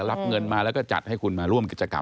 รับเงินมาแล้วก็จัดให้คุณมาร่วมกิจกรรม